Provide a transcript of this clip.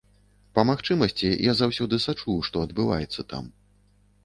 Па магчымасці я заўсёды сачу, што адбываецца там.